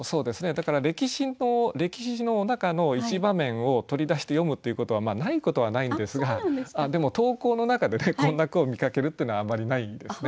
だから歴史の中の一場面を取り出して詠むっていうことはないことはないんですがでも投稿の中でこんな句を見かけるっていうのはあまりないんですね。